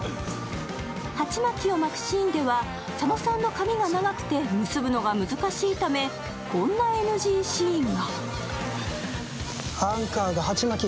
鉢巻きを巻くシーンでは佐野さんの髪が長くて結ぶのが難しいためこんなＮＧシーンが。